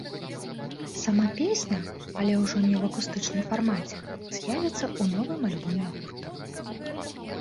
Сама песня, але ўжо не ў акустычным фармаце, з'явіцца ў новым альбоме гурта.